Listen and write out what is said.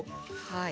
はい。